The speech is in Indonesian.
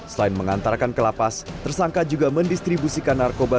selain mengantarkan kelapas tersangka juga mendistribusikan narkoba